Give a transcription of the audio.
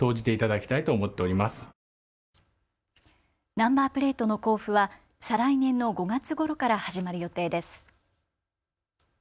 ナンバープレートの交付は再来年の５月ごろから始まる予定です。